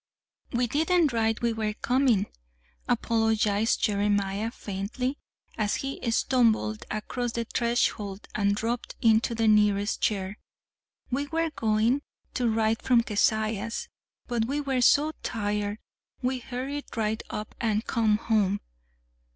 "We didn't write we were comin'," apologized Jeremiah faintly, as he stumbled across the threshold and dropped into the nearest chair. "We were goin' ter write from Keziah's, but we were so tired we hurried right up an' come home.